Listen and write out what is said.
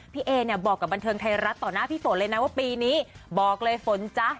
พี่เอเนี่ยบอกกับบันเทิงไทยรัฐต่อหน้าพี่ฝนเลยนะว่าปีนี้บอกเลยฝนจ๊ะ